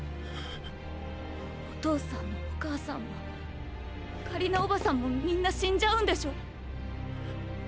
お父さんもお母さんもカリナおばさんもみんな死んじゃうんでしょ？